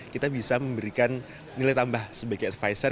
kita bisa memberikan nilai tambah sebagai advisor